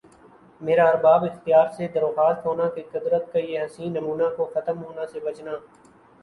میرا ارباب اختیار سے درخواست ہونا کہ قدرت کا یِہ حسین نمونہ کو ختم ہونا سے بچنا